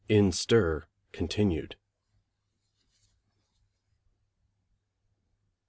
In Stir (continued).